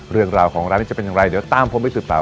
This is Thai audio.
เรื่องราวของร้านนี้จะเป็นยังไงเดี๋ยวตามพบให้สุดเปล่า